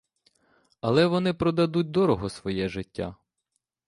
Але вони продадуть дорого своє життя.